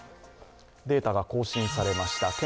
データが更新されました。